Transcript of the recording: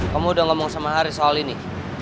kamu udah parentah haris soal ini